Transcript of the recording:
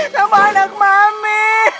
sama anak mami